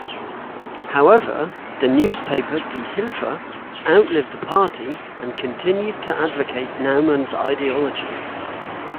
However, the newspaper "Die Hilfe" outlived the party and continued to advocate Naumann's ideology.